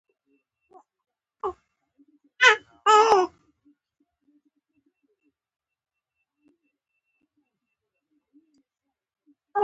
لکه له عبدالهادي سره چې لګېده.